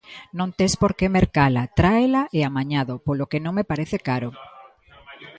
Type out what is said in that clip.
Non tes por que mercala, tráela e amañado, polo que non me parece caro.